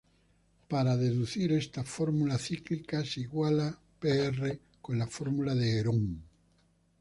Para deducir esta fórmula cíclica, se iguala pr con la fórmula de Herón.